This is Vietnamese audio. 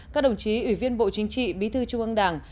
các đồng chí ủy viên bộ chính trị bí thư trung ương đảng